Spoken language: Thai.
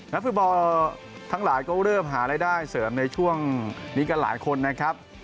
นักฟุตบอลทั้งหลายก็เริ่มหารายได้เสริมในช่วงนี้กันหลายคนนะครับ